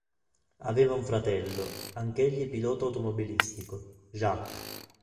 Aveva un fratello, anch'egli pilota automobilistico: Jacques.